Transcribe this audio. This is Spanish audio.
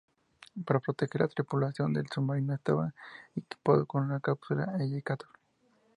Para proteger a la tripulación el submarino estaba equipado con una cápsula eyectable.